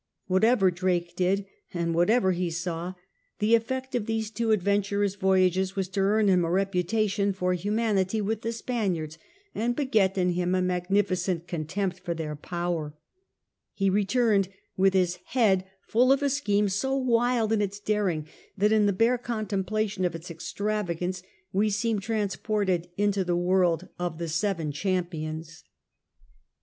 Whatever Drake did and whatever he saw, the efi*ect of these two adventurous voyages was to earn him a reputation for humanity with the Spaniards and beget in him a magnificent contempt for their power. He returned with his head full of a scheme so wild in its daring that in the bare contemplation of its extravagance we seem transported into the world of the Seven 20 SIR FRANCIS DRAKE chap. Champions.